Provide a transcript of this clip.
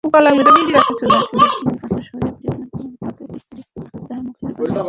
ছেলেটি অবশ হইয়া পড়িয়াছে, করুণা তাহাকে কোলে করিয়া তাহার মুখের পানে চাহিয়া আছে।